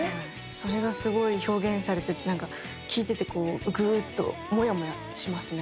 それがすごい表現されててなんか聴いててこうグーッとモヤモヤしますね。